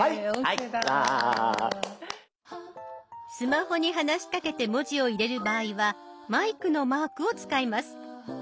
スマホに話しかけて文字を入れる場合はマイクのマークを使います。